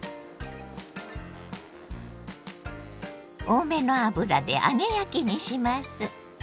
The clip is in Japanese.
多めの油で揚げ焼きにします。